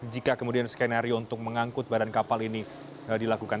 jika kemudian skenario untuk mengangkut badan kapal ini dilakukan